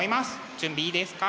準備いいですか？